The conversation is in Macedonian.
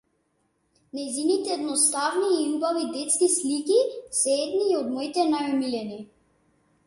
Нејзините едноставни и убави детски слики се едни од моите најомилени.